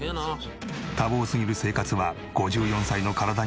多忙すぎる生活は５４歳の体にはこたえる。